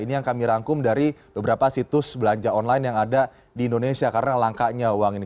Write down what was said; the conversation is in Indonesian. ini yang kami rangkum dari beberapa situs belanja online yang ada di indonesia karena langkanya uang ini